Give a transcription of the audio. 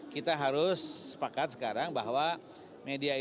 kita harus sepakat sekarang bahwa media ini